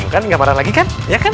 kan ga marah lagi kan